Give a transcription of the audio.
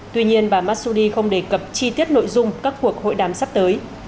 tuy nhiên bà masudi không đề cập chi tiết nội dung các cuộc hội đàm sắp tới